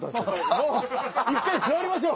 もう１回座りましょう！